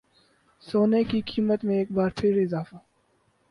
سونے کی قیمت میں ایک بار پھر اضافہ